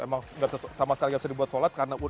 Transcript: emang gak sama sekali gak bisa dipakai